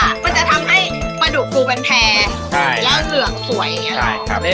มันจะทำให้ปลาดุกปูเป็นแพร่แล้วเหลืองสวยอย่างนี้